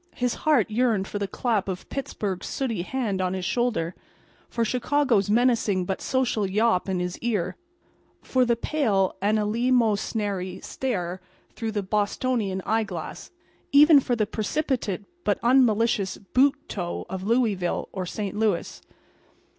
His heart yearned for the clap of Pittsburg's sooty hand on his shoulder; for Chicago's menacing but social yawp in his ear; for the pale and eleemosynary stare through the Bostonian eyeglass—even for the precipitate but unmalicious boot toe of Louisville or St. Louis.